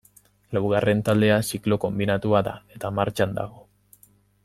Laugarren taldea ziklo konbinatua da, eta martxan dago.